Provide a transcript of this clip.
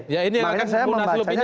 ya ini yang akan saya membacanya